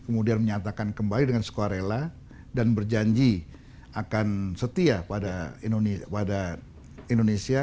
kemudian menyatakan kembali dengan sukarela dan berjanji akan setia pada indonesia